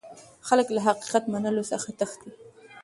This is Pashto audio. خلک له حقيقت منلو څخه تښتي.